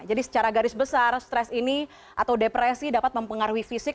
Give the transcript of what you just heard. jadi secara garis besar stres ini atau depresi dapat mempengaruhi fisik